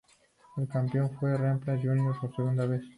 El campeón fue Rampla Juniors por segunda vez.